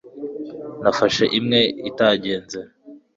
Nafashe imwe itagenze